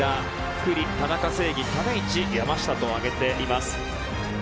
九里、田中正義、種市山下と挙げています。